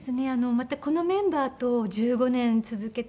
またこのメンバーと１５年続けてこられて。